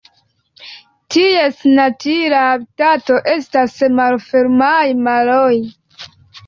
Ties natura habitato estas malfermaj maroj.